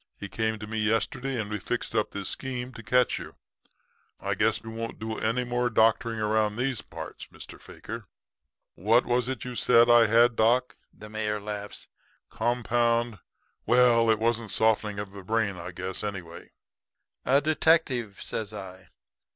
He came to me yesterday and we fixed up this scheme to catch you. I guess you won't do any more doctoring around these parts, Mr. Fakir. What was it you said I had, doc?' the mayor laughs, 'compound well, it wasn't softening of the brain, I guess, anyway.' "'A detective,' says I.